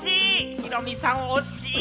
ヒロミさん、おしい。